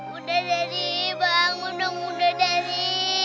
bunda dari bangun dong bunda dari